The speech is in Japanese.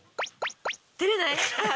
照れない？